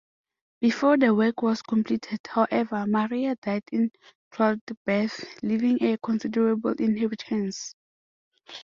Before the work was completed, however, Maria died in childbirth, leaving a considerable inheritance.